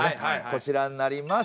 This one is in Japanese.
こちらになります。